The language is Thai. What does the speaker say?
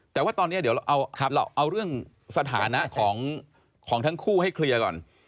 แต่ว่าตอนนี้เดี๋ยวเราเอาเรื่องสถานะของทั้งคู่ให้เคลียร์ก่อน